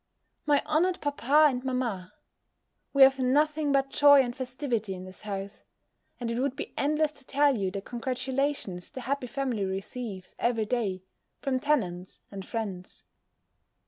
_ MY HONOURED PAPA AND MAMMA, We have nothing but joy and festivity in this house: and it would be endless to tell you the congratulations the happy family receives every day, from tenants and friends.